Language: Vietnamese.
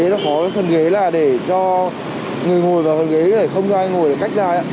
nó có phần ghế là để cho người ngồi vào phần ghế để không cho ai ngồi để cách ra